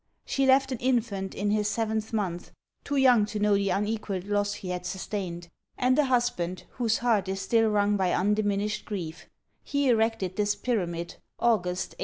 She left an infant in his seventh month, too young to know the unequalled loss he had sustained, and a husband whose heart is still wrung by undiminished grief, he erected this Pyramid, August 1820."